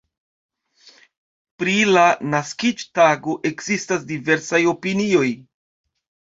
Pri la naskiĝtago ekzistas diversaj opinioj.